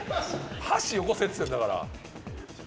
箸よこせっつってんだから。